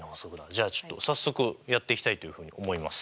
じゃあちょっと早速やっていきたいというふうに思います。